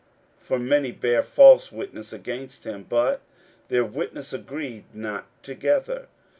41:014:056 For many bare false witness against him, but their witness agreed not together.